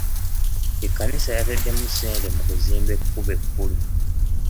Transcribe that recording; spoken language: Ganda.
Ekkanisa yataddemu ssente mu kuzimba ekkubo ekkulu.